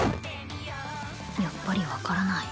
やっぱり分からない